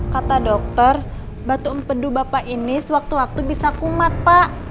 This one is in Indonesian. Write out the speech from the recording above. kata dokter batu empedu bapak ini sewaktu waktu bisa kumat pak